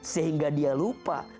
sehingga dia lupa